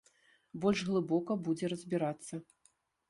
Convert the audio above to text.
Больш глыбока будзе разбірацца.